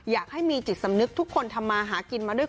อยากให้มีจิตสำนึกทุกคนทำมาหากินมาด้วย